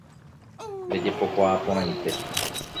Rejepokuaa porãite